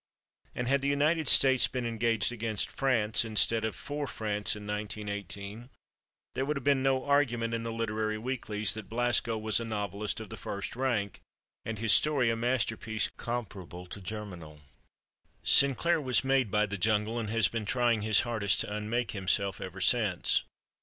And had the United States been engaged against France instead of for France in 1918, there would have been no argument in the literary weeklies that Blasco was a novelist of the first rank and his story a masterpiece comparable to "Germinal." Sinclair was made by "The Jungle" and has been trying his hardest to unmake himself ever since.